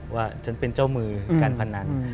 ว่าฉันเป็นเจ้ามือการพนัน